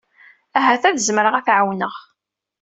Ahat ad zemreɣ ad t-ɛawneɣ.